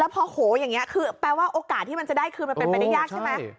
พอโหอย่างนี้คือแปลว่าโอกาสที่มันจะได้คืนมันเป็นไปได้ยากใช่ไหม